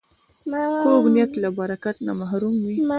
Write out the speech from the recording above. کوږ نیت له برکت نه محروم وي